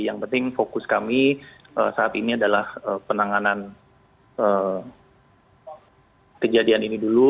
yang penting fokus kami saat ini adalah penanganan kejadian ini dulu